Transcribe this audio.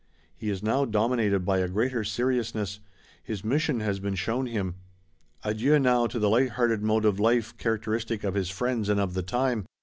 He is now dominated by a greater seriousness; his mission has been shown him. Adieu now to the light hearted mode of life characteristic of his friends and of the time.